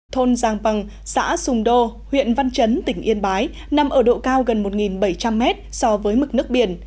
thôn giàng bằng xã sùng đô huyện văn chấn tỉnh yên bái nằm ở độ cao gần một bảy trăm linh mét so với mực nước biển